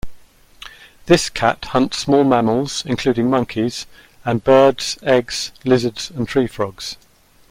This cat hunts small mammals, including monkeys, and birds, eggs, lizards and tree frogs.